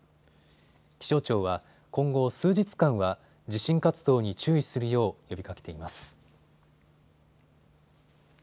気象庁は今後数日間は地震活動に注意するよう呼びかけています。